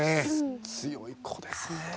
強い子ですね。